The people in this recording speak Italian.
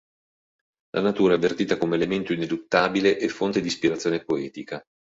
La natura è avvertita come elemento ineluttabile e fonte di ispirazione poetica.